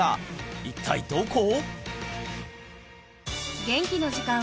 一体どこ？